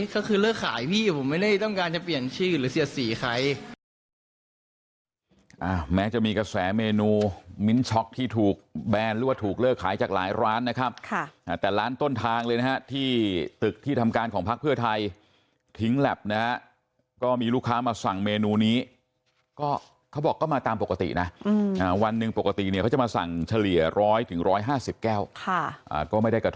ก็คือเลิกขายพี่ผมไม่ได้ต้องการจะเปลี่ยนชื่อหรือเสียสีใคร